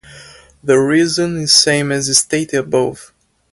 The reason is same as stated above.